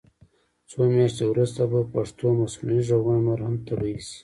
څو میاشتې وروسته به پښتو مصنوعي غږونه نور هم طبعي شي.